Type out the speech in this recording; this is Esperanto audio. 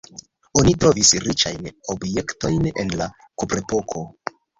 Oni trovis riĉajn objektojn el la kuprepoko.